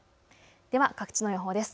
では各地の予報です。